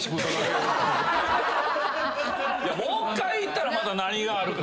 もう一回行ったらまだ何があるか。